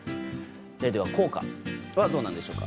では効果はどうなんでしょうか。